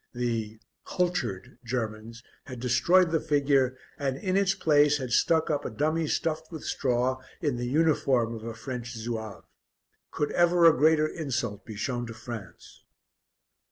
The "kultured" Germans had destroyed the figure and, in its place, had stuck up a dummy stuffed with straw in the uniform of a French Zouave. Could ever a greater insult be shown to France!